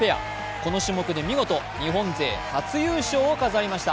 この種目で見事、日本勢、初優勝を飾りました。